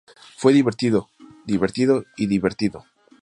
Fue divertido, divertido y divertido".